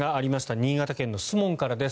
新潟県の守門からです。